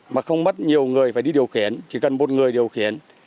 mà không mất nhiều người phải đi điều khiển chỉ cần một người điều khiển